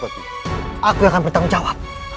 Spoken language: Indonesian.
aku yang akan bertanggung jawab